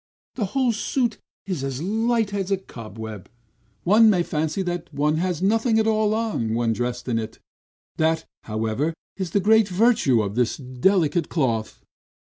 The whole suit is as light as a cobweb; one might fancy one has nothing at all on, when dressed in it; that, however, is the great virtue of this delicate cloth."